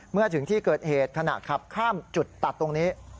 เมื่อถึงที่เกิดเหตุขณะขับข้ามจุดตัดตรงนี้